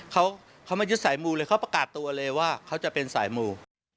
เขาเขามายึดสายมูเลยเขาประกาศตัวเลยว่าเขาจะเป็นสายมู